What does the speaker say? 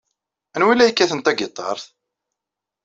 Anwa ay la yekkaten tagiṭart?